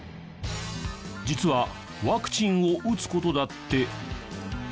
実はワクチンを打つ事だって。